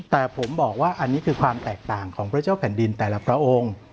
แต่ผมบอกว่าอันนี้คือความแตกต่างของพระเจ้าแผ่นดินแต่ละพระองค์